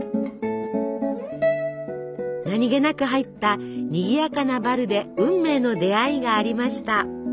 何気なく入ったにぎやかなバルで運命の出会いがありました。